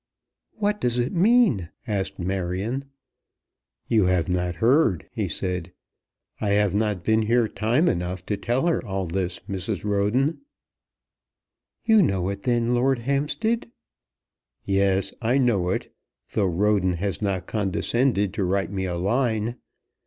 "What does it mean?" asked Marion. "You have not heard," he said. "I have not been here time enough to tell her all this, Mrs. Roden." "You know it then, Lord Hampstead?" "Yes, I know it; though Roden has not condescended to write me a line.